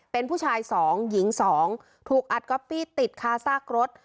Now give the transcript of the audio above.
เป็นผู้ชาย๒หญิง๒ถูกอัดก๊อปปี้ติดคาซากรถ